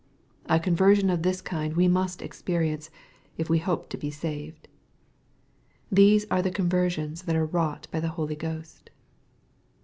— ^A conversion of this kind we must experience, if we hope to be saved. These are the conversions that are wrought by the Holy Q host.